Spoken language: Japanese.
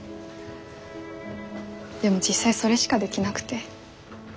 でも実際それしかできなくて。